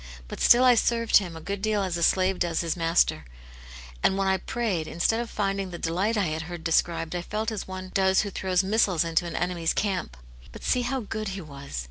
But stilt I served Him a good deal as a slave does his master, and when I prayed, instead of finding the delight I had heard described, I felt as one does who throws missiles into an enemy's camp. But see how good He was.